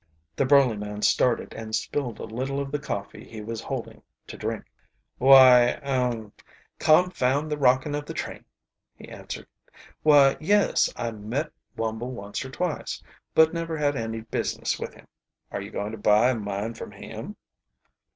The burly man started and spilled a little of the coffee he was holding to drink. "Why er confound the rocking of the train," he answered. "Why, yes, I met Wumble once or twice, but never had any business with him. Are you going to buy a mine from him?"